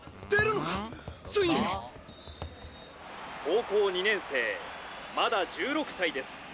「高校２年生まだ１６歳です。